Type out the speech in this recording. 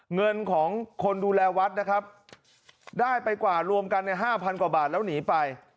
เงินของคนดูแลวัดนะครับได้ไปกว่ารวมกันในห้าพันกว่าบาทแล้วหนีไป